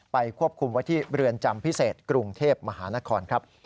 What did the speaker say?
ควบคุมไว้ที่เรือนจำพิเศษกรุงเทพมหานครครับ